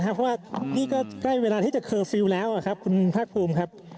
เพราะว่านี่ก็ใกล้เวลาที่จะเคอร์ฟิลล์แล้วครับคุณภาคภูมิครับ